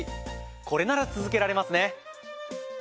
これなら続けられますね。